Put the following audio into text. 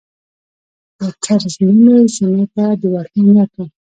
د کرز نومي سیمې ته د ورتلو نیت و.